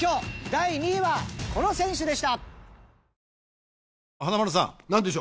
第２位はこの選手でした。